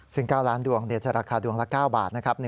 ซึ่ง๙ล้านดวงจะราคาดวงละ๙บาทนะครับ